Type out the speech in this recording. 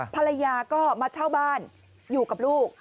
ภรรยาก็มาเช่าบ้านอยู่กับลูก